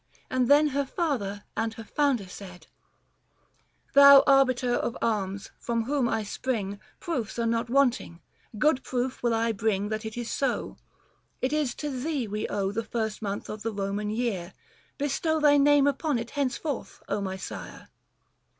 And then her Father and her Founder said :—" Thou Arbiter of Arms, from whom I spring Proofs are not wanting, good proof will I bring 80 That so it is. It is to thee we owe The first month of the Roman year — bestow Thy name upon it henceforth, my sire